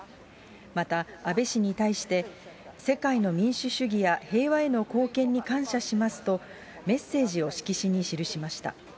また、安倍氏に対して、世界の民主主義や平和への貢献に感謝しますと、メッセージを色紙に記しました。